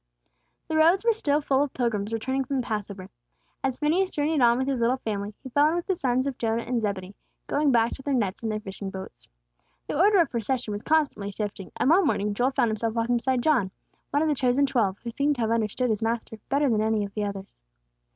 The roads were still full of pilgrims returning from the Passover. As Phineas journeyed on with his little family, he fell in with the sons of Jonah and Zebedee, going back to their nets and their fishing boats. The order of procession was constantly shifting, and one morning Joel found himself walking beside John, one of the chosen twelve, who seemed to have understood his Master better than any of the others.